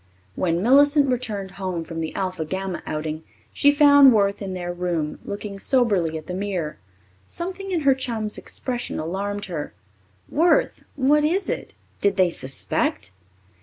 When Millicent returned home from the Alpha Gamma outing, she found Worth in their room, looking soberly at the mirror. Something in her chum's expression alarmed her. "Worth, what is it? Did they suspect?"